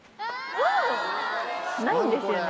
ないんですよね